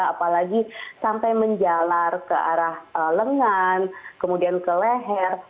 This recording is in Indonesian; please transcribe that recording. apalagi sampai menjalar ke arah lengan kemudian ke leher